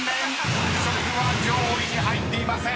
「服飾」は上位に入っていません］